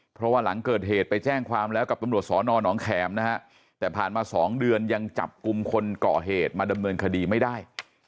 เพราะว่าหลังเกิดเหตุไปแจ้งความแล้วกับตำรวจสอนอนองแขมนะฮะแต่ผ่านมา๒เดือนยังจับกลุ่มคนก่อเหตุมาดำเนินคดีไม่ได้